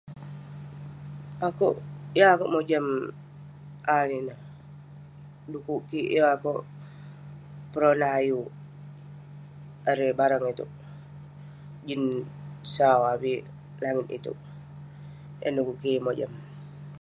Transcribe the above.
Akouk, yeng akouk mojam AI ineh. Dekuk kik, yeng akouk peronah ayuk erei barang itouk. Jin sau avik langit itouk. Yah dekuk kik yeng mojam.